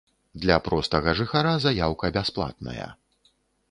Для простага жыхара заяўка бясплатная.